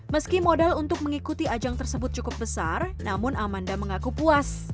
meski modal untuk mengikuti ajang tersebut cukup besar namun amanda mengaku puas